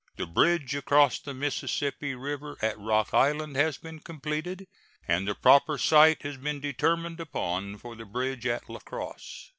The bridge across the Mississippi River at Rock Island has been completed, and the proper site has been determined upon for the bridge at La Crosse.